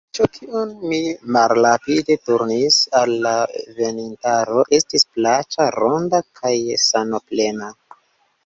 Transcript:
La vizaĝo, kiun li malrapide turnis al la venintaro, estis plaĉa, ronda kaj sanoplena.